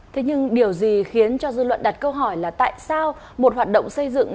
thế nhưng điều gì khiến cho dư luận đặt câu hỏi là tại sao một hoạt động xây dựng